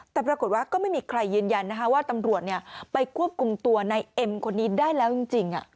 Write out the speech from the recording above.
แต่ปรากฏว่าก็ไม่มีใครยืนยันนะคะว่าตำรวจไปควบคุมตัวในเอ็มคนนี้ได้แล้วจริง